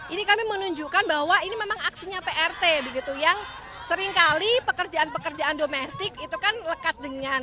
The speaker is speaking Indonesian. ini kami menunjukkan bahwa ini memang aksinya prt begitu yang seringkali pekerjaan pekerjaan domestik itu kan lekat dengan